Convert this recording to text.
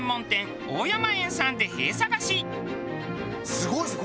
すごいですね！